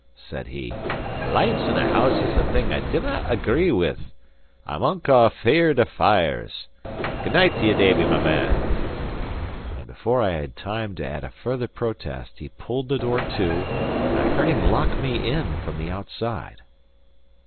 said he. "Lights in a house is a thing I dinnae agree with. I'm unco feared of fires. Good night to ye, Davie, my man." And before I had time to add a further protest, he pulled the door to, and I heard him lock me in from the outside.